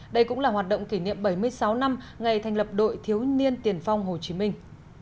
đây cũng là hoạt động kỷ niệm bảy mươi sáu năm ngày thành lập đội thiếu niên tiền phong hồ chí minh